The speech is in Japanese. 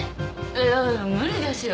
いやいや無理ですよ。